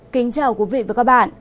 kính chào quý vị và các bạn